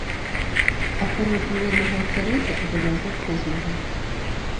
Ахова прыроднага асяроддзя — абавязак кожнага.